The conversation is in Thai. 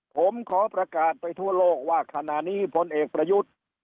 ผมขอประกาศไปทั่วโลกว่าขณะนี้พลเอกประยุทธ์